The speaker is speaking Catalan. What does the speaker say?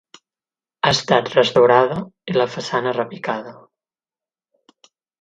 Ha estat restaurada i la façana repicada.